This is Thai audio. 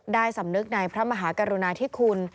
สำนึกในพระมหากรุณาธิคุณ